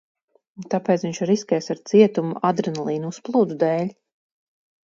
Tāpēc viņš riskēs ar cietumu adrenalīna uzplūdu dēļ?